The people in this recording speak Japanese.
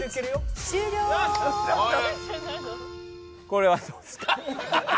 これはどうですか？